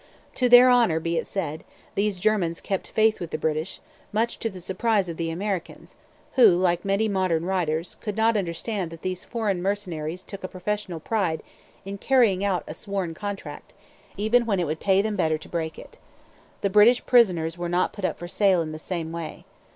To their honour be it said, these Germans kept faith with the British, much to the surprise of the Americans, who, like many modern writers, could not understand that these foreign mercenaries took a professional pride in carrying out a sworn contract, even when it would pay them better to break it. The British prisoners were not put up for sale in the same way.